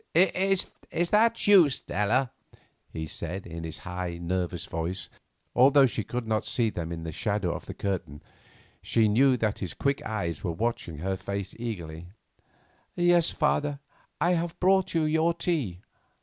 "Is that you, Stella?" he said, in his high, nervous voice, and, although she could not see them in the shadow of the curtain, she knew that his quick eyes were watching her face eagerly. "Yes, father, I have brought you your tea.